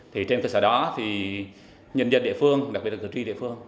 trên cơ sở đó nhân dân địa phương đặc biệt là cử tri địa phương